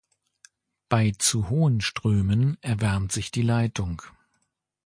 Bei zu hohen Strömen erwärmt sich die Leitung.